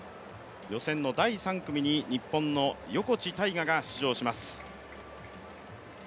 予選の第３組に日本の横地大雅が出場します。